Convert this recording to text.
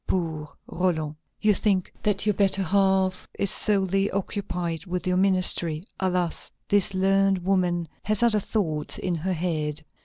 Poor Roland! You think that your better half is solely occupied with your ministry. Alas! this learned woman has other thoughts in her head.